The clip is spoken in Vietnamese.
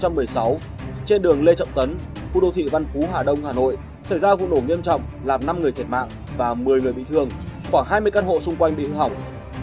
tháng ba năm hai nghìn một mươi sáu trên đường lê trọng tấn khu đô thị văn phú hạ đông hà nội xảy ra vụ nổ nghiêm trọng làm năm người thiệt mạng và một mươi người bị thương khoảng hai mươi căn hộ xung quanh bị hư hỏng